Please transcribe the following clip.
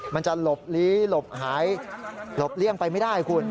มันจะหลบลีหลบหายหลบเลี่ยงไปไม่ได้คุณ